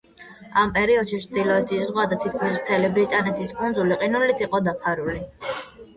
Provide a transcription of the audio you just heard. ამ პერიოდში ჩრდილოეთის ზღვა და თითქმის მთელი ბრიტანეთის კუნძულები ყინულით იყო დაფარული.